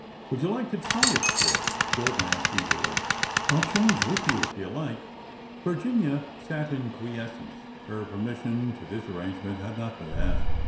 ''Would you like to try it, sir?" Gordon asked eagerly. " I 'll change with you if you 'd like." Virginia sat in quiescence. Her permission to this arrangement had not been asked.